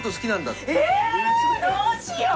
どうしよう！